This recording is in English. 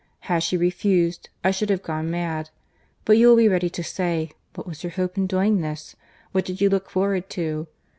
—Had she refused, I should have gone mad.—But you will be ready to say, what was your hope in doing this?—What did you look forward to?